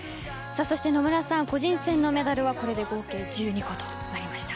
そして野村さん、個人戦のメダルは、これで合計１２個となりました。